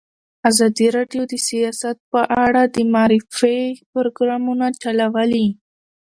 ازادي راډیو د سیاست په اړه د معارفې پروګرامونه چلولي.